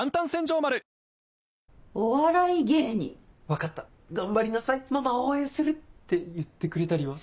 「分かった頑張りなさいママ応援する」って言ってくれたりは？